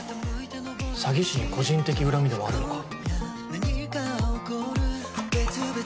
詐欺師に個人的恨みでもあるのか